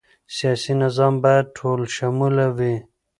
سیاسي نظام باید ټولشموله وي